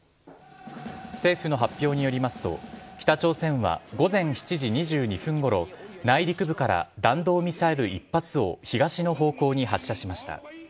政府の発表によりますと、北朝鮮は午前７時２２分ごろ、内陸部から弾道ミサイル１発を東の方向に発射しました。